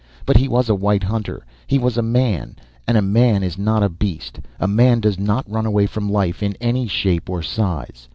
But he was a white hunter, he was a man, and a man is not a beast; a man does not run away from life in any shape or size.